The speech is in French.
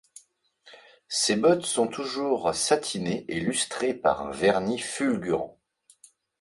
Ses bottes sont toujours satinées et lustrées par un vernis fulgurant.